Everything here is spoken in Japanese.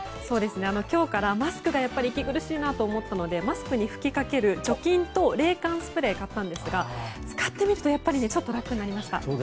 今日からマスクがやっぱり息苦しいと思ったのでマスクに吹きかける除菌と冷感スプレーを買ったんですが使ってみるとやっぱりちょっと楽になりました。